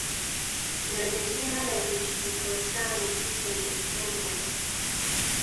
Kino tekirina nakyekikukosa ng'otuuse mu bufumbo bwo.